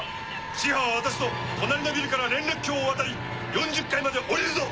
Ｃ班は私と隣のビルから連絡橋を渡り４０階まで下りるぞ！